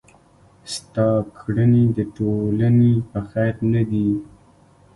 ستا کړني د ټولني په خير نه دي.